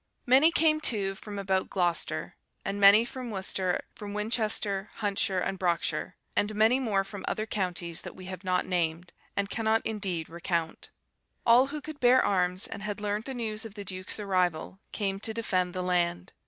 Many came, too, from about Glocestre, and many from Wirecestre, from Wincestre, Hontesire, and Brichesire; and many more from other counties that we have not named, and cannot indeed recount. All who could bear arms, and had learnt the news of the Duke's arrival, came to defend the land.